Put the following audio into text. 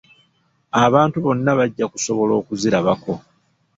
Abantu bonna bajja kusobola okuzirabako.